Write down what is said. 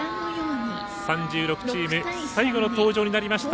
３６チーム最後の登場になりました